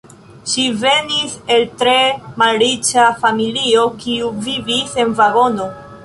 Ŝi venis el tre malriĉa familio kiu vivis en vagono.